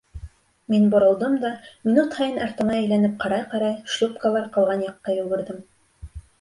Мин боролдом да, минут һайын артыма әйләнеп ҡарай-ҡарай, шлюпкалар ҡалған яҡҡа йүгерҙем.